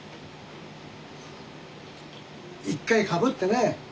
一回かぶってね。